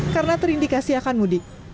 karena terindikasi akan mudik